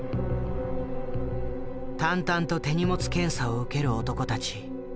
淡々と手荷物検査を受ける男たち。